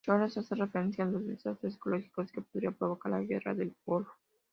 Chorus hace referencia a los desastres ecológicos que podría provocar la Guerra del Golfo.